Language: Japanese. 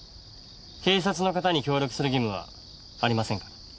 警察の方に協力する義務はありませんから。